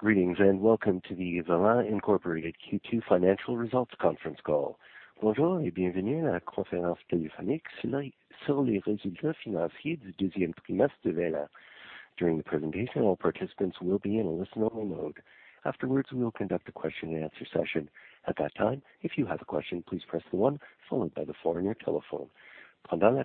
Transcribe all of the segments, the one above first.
Greetings and welcome to the Velan Incorporated Q2 Financial Results Conference Call. During the presentation, all participants will be in a listen-only mode. Afterwards, we will conduct a question-and-answer session. At that time, if you have a question, please press one followed by the four on your telephone. Should you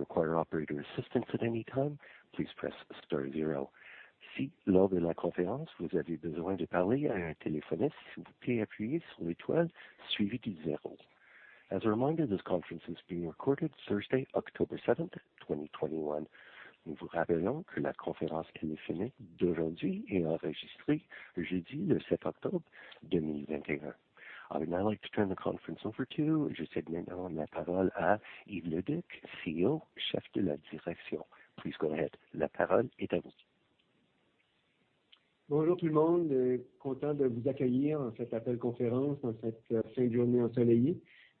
require operator assistance at any time, please press star zero. As a reminder, this conference is being recorded Thursday, October 7th, 2021. I would now like to turn the conference over to Yves Leduc, CEO. Please go ahead.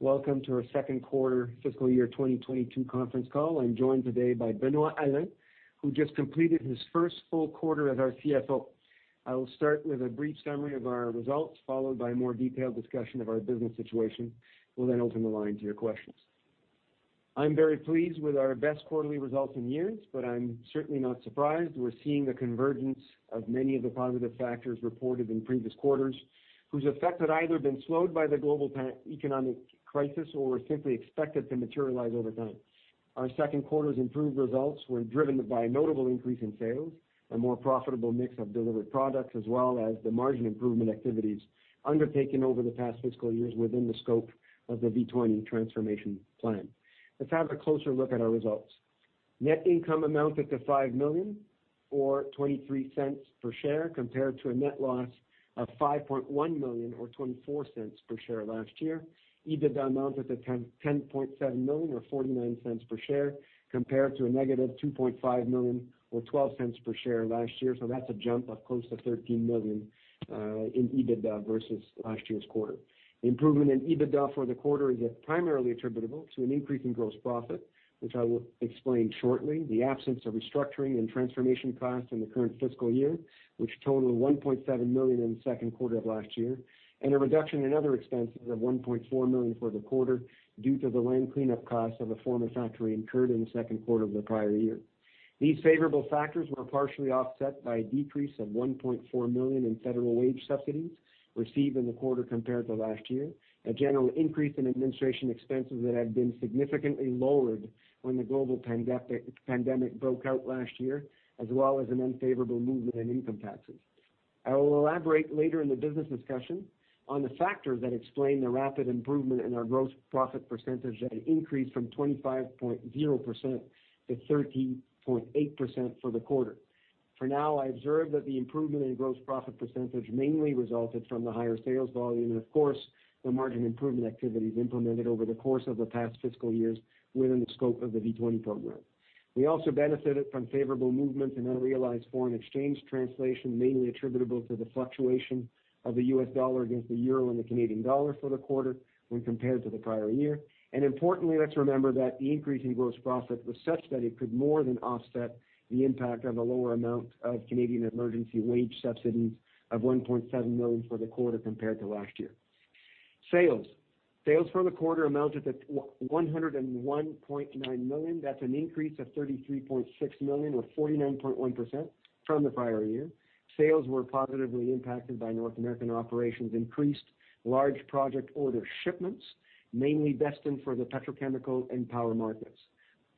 Welcome to our second quarter fiscal year 2022 conference call. I'm joined today by Benoit Alain, who just completed his first full quarter as our CFO. I will start with a brief summary of our results, followed by a more detailed discussion of our business situation. We'll then open the line to your questions. I'm very pleased with our best quarterly results in years, but I'm certainly not surprised. We're seeing a convergence of many of the positive factors reported in previous quarters, whose effect had either been slowed by the global economic crisis or were simply expected to materialize over time. Our second quarter's improved results were driven by a notable increase in sales, a more profitable mix of delivered products, as well as the margin improvement activities undertaken over the past fiscal years within the scope of the V20 transformation plan. Let's have a closer look at our results. Net income amounted to $5 million, or $0.23 per share, compared to a net loss of $5.1 million or $ 0.24 per share last year. EBITDA amounted to $10.7 million or $0.49 per share, compared to a negative $2.5 million or $0.12 per share last year, so that's a jump of close to $13 million in EBITDA versus last year's quarter. Improvement in EBITDA for the quarter is primarily attributable to an increase in gross profit, which I will explain shortly, the absence of restructuring and transformation costs in the current fiscal year, which totaled $1.7 million in the second quarter of last year, and a reduction in other expenses of $1.4 million for the quarter due to the land cleanup costs of a former factory incurred in the second quarter of the prior year. These favorable factors were partially offset by a decrease of $1.4 million in federal wage subsidies received in the quarter compared to last year, a general increase in administration expenses that had been significantly lowered when the global pandemic broke out last year, as well as an unfavorable movement in income taxes. I will elaborate later in the business discussion on the factors that explain the rapid improvement in our gross profit percentage that increased from 25.0%-30.8% for the quarter. For now, I observe that the improvement in gross profit percentage mainly resulted from the higher sales volume and, of course, the margin improvement activities implemented over the course of the past fiscal years within the scope of the V20 program. We also benefited from favorable movements in unrealized foreign exchange translation, mainly attributable to the fluctuation of the U.S. dollar against the euro and the Canadian dollar for the quarter when compared to the prior year. Importantly, let's remember that the increase in gross profit was such that it could more than offset the impact of a lower amount of Canada Emergency Wage Subsidy of $1.7 million for the quarter compared to last year. Sales for the quarter amounted to $101.9 million. That's an increase of $33.6 million or 49.1% from the prior year. Sales were positively impacted by North American operations increased large project order shipments, mainly destined for the petrochemical and power markets.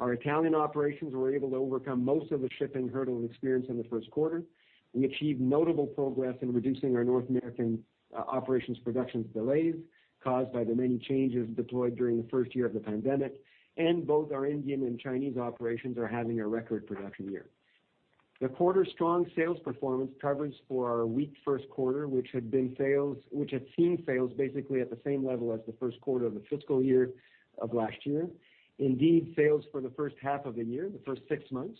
Our Italian operations were able to overcome most of the shipping hurdles experienced in the first quarter. We achieved notable progress in reducing our North American operations production delays caused by the many changes deployed during the first year of the pandemic, and both our Indian and Chinese operations are having a record production year. The quarter's strong sales performance covers for our weak first quarter, which had seen sales basically at the same level as the first quarter of the fiscal year of last year. Indeed, sales for the first half of the year, the first six months,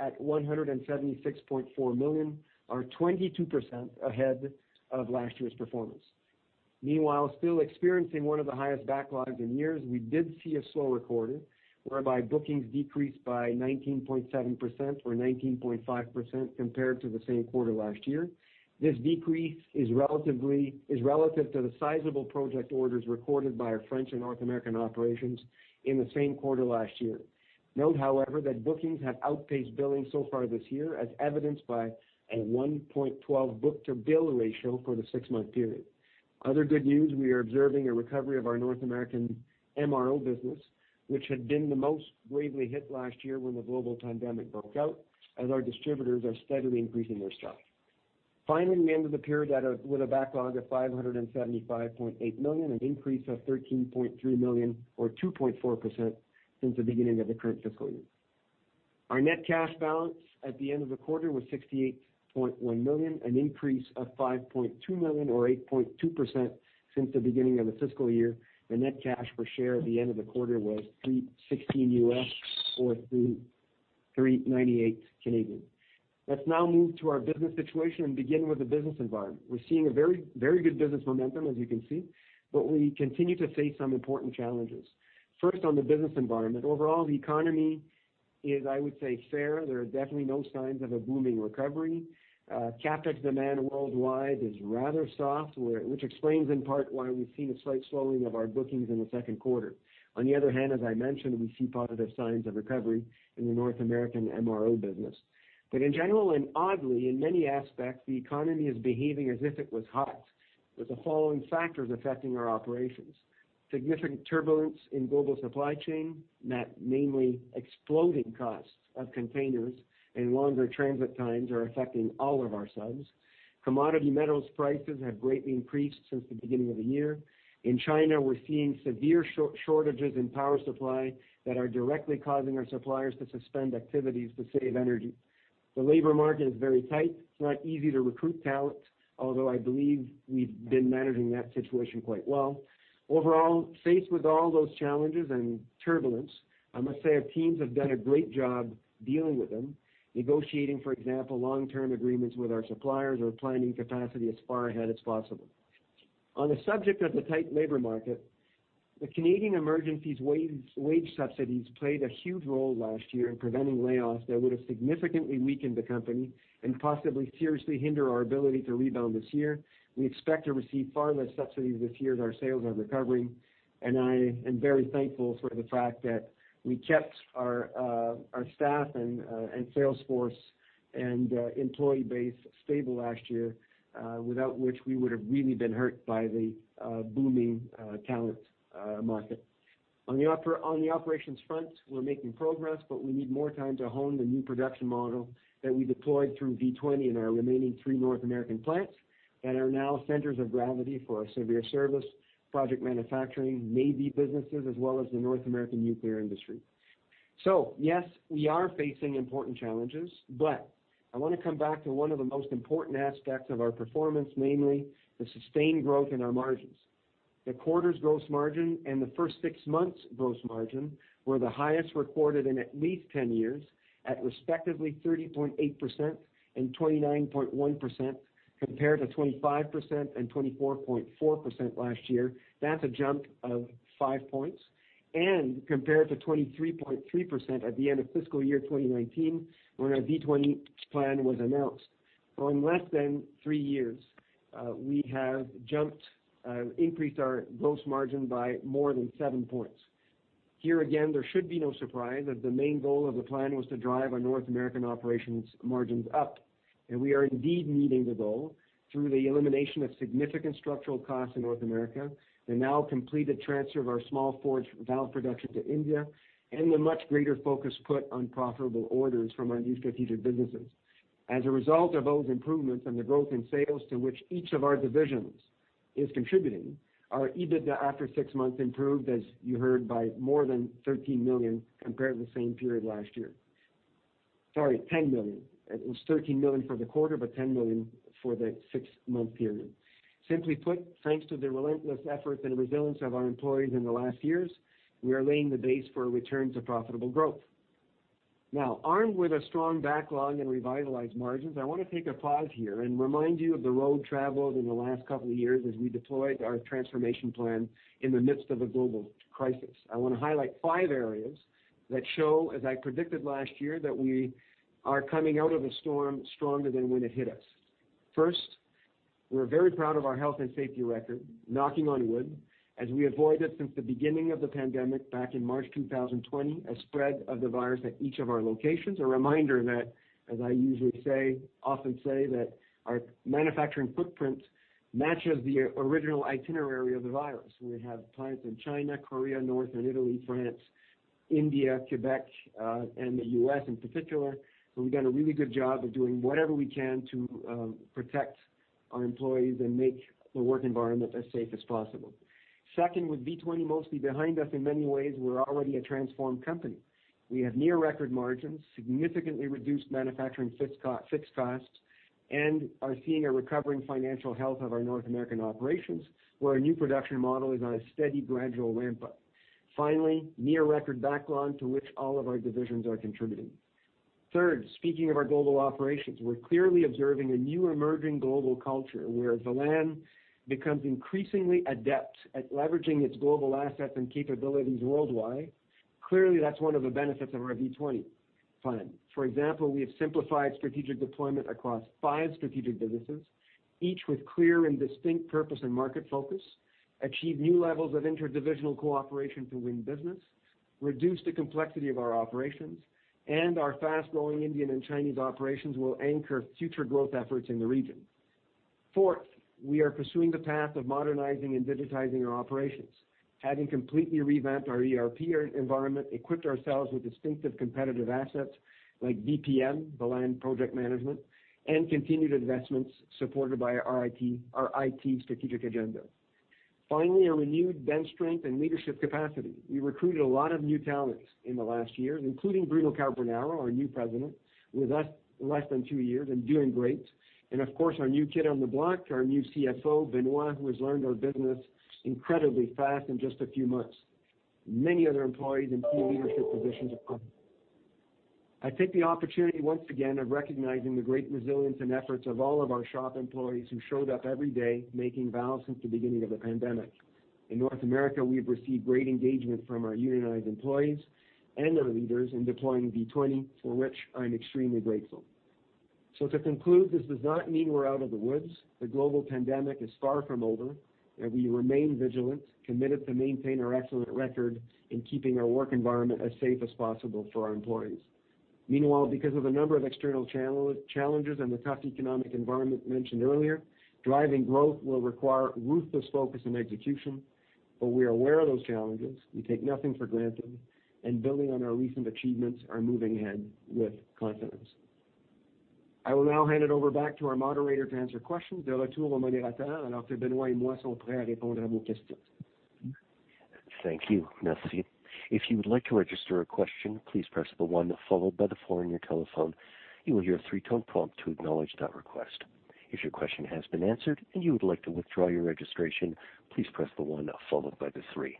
at $176.4 million, are 22% ahead of last year's performance. Meanwhile, still experiencing one of the highest backlogs in years, we did see a slower quarter, whereby bookings decreased by 19.7% or 19.5% compared to the same quarter last year. This decrease is relative to the sizable project orders recorded by our French and North American operations in the same quarter last year. Note, however, that bookings have outpaced billing so far this year, as evidenced by a 1.12 book-to-bill ratio for the six-month period. Other good news, we are observing a recovery of our North American MRO business, which had been the most gravely hit last year when the global pandemic broke out, as our distributors are steadily increasing their stock. Finally, we ended the period with a backlog of $575.8 million, an increase of $13.3 million or 2.4% since the beginning of the current fiscal year. Our net cash balance at the end of the quarter was $68.1 million, an increase of $5.2 million or 8.2% since the beginning of the fiscal year. The net cash per share at the end of the quarter was $3.16 or 3.98. Let's now move to our business situation and begin with the business environment. We're seeing a very good business momentum, as you can see, but we continue to face some important challenges. First, on the business environment. Overall, the economy is, I would say, fair. There are definitely no signs of a booming recovery. CapEx demand worldwide is rather soft, which explains in part why we've seen a slight slowing of our bookings in the second quarter. On the other hand, as I mentioned, we see positive signs of recovery in the North American MRO business. In general, and oddly, in many aspects, the economy is behaving as if it was hot, with the following factors affecting our operations. Significant turbulence in global supply chain, namely exploding costs of containers and longer transit times are affecting all of our subs. Commodity metals prices have greatly increased since the beginning of the year. In China, we're seeing severe shortages in power supply that are directly causing our suppliers to suspend activities to save energy. The labor market is very tight. It's not easy to recruit talent, although I believe we've been managing that situation quite well. Overall, faced with all those challenges and turbulence, I must say our teams have done a great job dealing with them, negotiating, for example, long-term agreements with our suppliers or planning capacity as far ahead as possible. On the subject of the tight labor market, the Canada Emergency Wage Subsidy played a huge role last year in preventing layoffs that would have significantly weakened the company and possibly seriously hinder our ability to rebound this year. We expect to receive far less subsidies this year as our sales are recovering. I am very thankful for the fact that we kept our staff and sales force and employee base stable last year, without which we would have really been hurt by the booming talent market. On the operations front, we're making progress, but we need more time to hone the new production model that we deployed through V20 and our remaining three North American plants that are now centers of gravity for our severe service project manufacturing Navy businesses as well as the North American nuclear industry. Yes, we are facing important challenges, but I want to come back to one of the most important aspects of our performance, namely the sustained growth in our margins. The quarter's gross margin and the first six months' gross margin were the highest recorded in at least 10 years at respectively 30.8% and 29.1%, compared to 25% and 24.4% last year. That's a jump of 5 points. Compared to 23.3% at the end of fiscal year 2019, when our V20 plan was announced. In less than three years, we have increased our gross margin by more than 7 points. Here again, there should be no surprise that the main goal of the plan was to drive our North American operations margins up. We are indeed meeting the goal through the elimination of significant structural costs in North America, the now completed transfer of our small forged valve production to India, and the much greater focus put on profitable orders from our new strategic businesses. As a result of those improvements and the growth in sales to which each of our divisions is contributing, our EBITDA after six months improved, as you heard, by more than $13 million compared to the same period last year. Sorry, $10 million. It was $13 million for the quarter, but $10 million for the six-month period. Simply put, thanks to the relentless effort and resilience of our employees in the last years, we are laying the base for a return to profitable growth. Now, armed with a strong backlog and revitalized margins, I want to take a pause here and remind you of the road traveled in the last couple of years as we deployed our transformation plan in the midst of a global crisis. I want to highlight five areas that show, as I predicted last year, that we are coming out of the storm stronger than when it hit us. First, we're very proud of our health and safety record, knocking on wood, as we avoided since the beginning of the pandemic back in March 2020, a spread of the virus at each of our locations. A reminder that, as I often say, that our manufacturing footprint matches the original itinerary of the virus. We have plants in China, Korea, North Italy, France, India, Quebec, and the U.S. in particular. We've done a really good job of doing whatever we can to protect our employees and make the work environment as safe as possible. Second, with V20 mostly behind us, in many ways, we're already a transformed company. We have near record margins, significantly reduced manufacturing fixed costs, and are seeing a recovering financial health of our North American operations, where a new production model is on a steady gradual ramp-up. Finally, near record backlog to which all of our divisions are contributing. Third, speaking of our global operations, we are clearly observing a new emerging global culture where Velan becomes increasingly adept at leveraging its global assets and capabilities worldwide. Clearly, that's one of the benefits of our V20 plan. For example, we have simplified strategic deployment across five strategic businesses, each with clear and distinct purpose and market focus, achieve new levels of interdivisional cooperation to win business, reduce the complexity of our operations, and our fast-growing Indian and Chinese operations will anchor future growth efforts in the region. Fourth, we are pursuing the path of modernizing and digitizing our operations, having completely revamped our ERP environment, equipped ourselves with distinctive competitive assets like VPM, Velan Project Management, and continued investments supported by our IT strategic agenda. Finally, a renewed bench strength and leadership capacity. We recruited a lot of new talents in the last year, including Bruno Carbonaro, our new President, with us less than two years and doing great. Of course, our new kid on the block, our new CFO, Benoit, who has learned our business incredibly fast in just a few months. Many other employees in key leadership positions as well. I take the opportunity once again of recognizing the great resilience and efforts of all of our shop employees who showed up every day making valves since the beginning of the pandemic. In North America, we've received great engagement from our unionized employees and our leaders in deploying V20, for which I'm extremely grateful. To conclude, this does not mean we're out of the woods. The global pandemic is far from over, and we remain vigilant, committed to maintain our excellent record in keeping our work environment as safe as possible for our employees. Meanwhile, because of the number of external challenges and the tough economic environment mentioned earlier, driving growth will require ruthless focus and execution. We are aware of those challenges. We take nothing for granted and building on our recent achievements are moving ahead with confidence. I will now hand it over back to our moderator to answer questions. Thank you. If you would like to register a question please press the one followed by the four on your telephone. Use your thee-tone prompt to acknowledge that request. If your question has been answered and you would like to withdraw your question please press one followed by the three.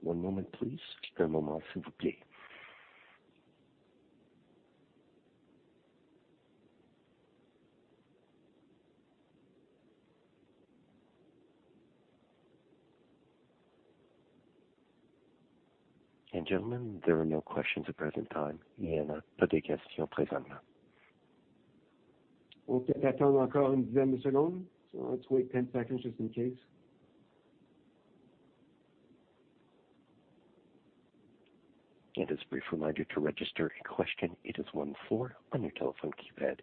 One moment please. Gentlemen, there are no questions at present time. Let's wait 10 seconds just in case. As a brief reminder, to register a question, it is one, four on your telephone keypad.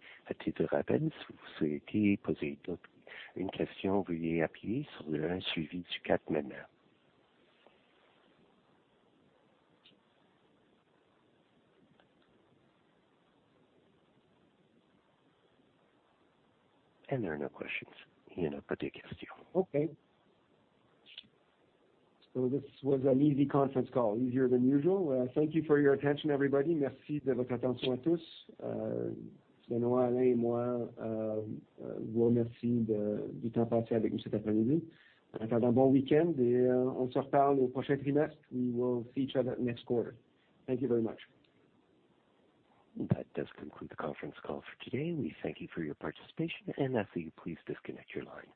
There are no questions. This was an easy conference call, easier than usual. Thank you for your attention, everybody. We will see each other next quarter. Thank you very much. That does conclude the conference call for today. We thank you for your participation and ask that you please disconnect your line.